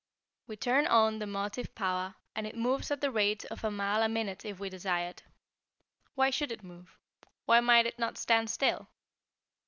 We turn on the motive power, and it moves at the rate of a mile a minute if we desire it. Why should it move? Why might it not stand still?